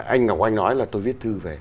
anh ngọc oanh nói là tôi viết thư về